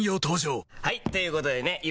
登場はい！ということでね